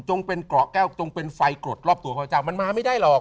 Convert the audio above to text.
เป็นเกาะแก้วจงเป็นไฟกรดรอบตัวข้าพเจ้ามันมาไม่ได้หรอก